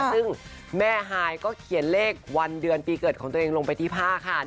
ซึ่งแม่ฮายก็เขียนเลขวันเดือนปีเกิดของตัวเองลงไปที่ผ้าค่ะ